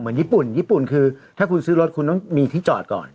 ญี่ปุ่นญี่ปุ่นคือถ้าคุณซื้อรถคุณต้องมีที่จอดก่อน